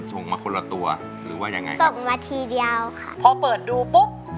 ส่งมาคนละตัวหรือว่ายังไงส่งมาทีเดียวค่ะพอเปิดดูปุ๊บ